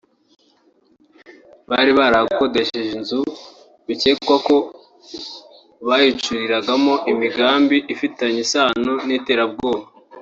bari barahakodesheje inzu bikekwa ko bayicuriragamo imigambi ifitanye isano n’iterabwoba